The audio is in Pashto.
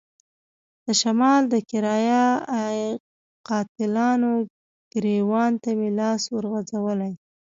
د شمال د کرايه ای قاتلانو ګرېوان ته مې لاس ورغځولی.